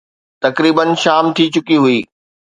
تقريباً شام ٿي چڪي هئي.